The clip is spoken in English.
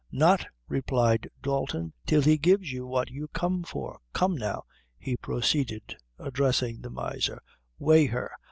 "Not," replied Dalton, "till he gives you what you come for. Come now," he proceeded, addressing the miser, "weigh her.